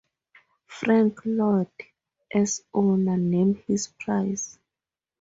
Frank Lloyd, as owner, named his price.